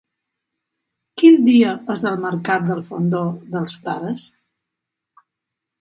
Quin dia és el mercat del Fondó dels Frares?